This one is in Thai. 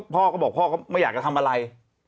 พ่อก็บอกพ่อก็ไม่อยากจะทำอะไร